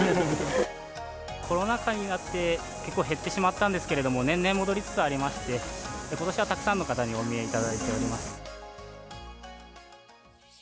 コロナ禍になって、結構減ってしまったんですけれども、年々戻りつつありまして、ことしはたくさんの方にお見えいただいております。